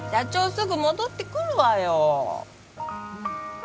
すぐ戻ってくるわよ